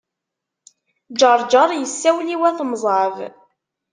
Ǧeṛǧeṛ yessawel i wat Mẓab.